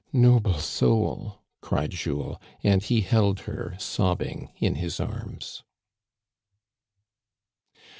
Noble soul !" cried Jules, and he held her sobbing in his arms.